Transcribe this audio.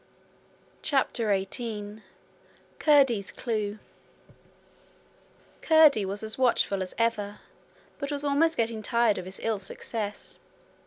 CHAPTER 18 Curdie's Clue Curdie was as watchful as ever, but was almost getting tired of his ill success.